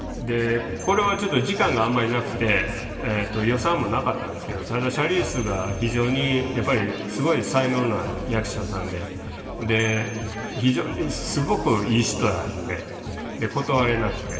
これはちょっと時間があんまりなくて予算もなかったんですけどただシャーリーズが非常にやっぱりすごい才能のある役者さんで非常にすごくいい人なので断れなくて。